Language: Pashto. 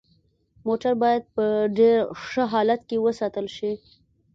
موټر باید په ډیر ښه حالت کې وساتل شي